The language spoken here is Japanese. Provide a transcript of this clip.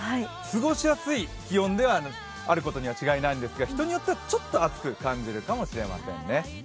過ごしやすい気温であることには違いないんですが、人によってはちょっと暑く感じるかもしれませんね。